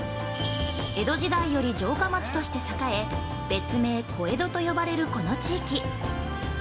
江戸時代より城下町として栄え、別名「小江戸」と呼ばれるこの地域。